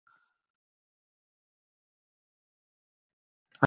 El Oroquieta Villaverde se hizo con la tercera y última liga de su historia.